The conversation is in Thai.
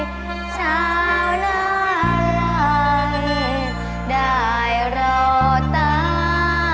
เจ้าไพรชาวนาลัยได้รอตา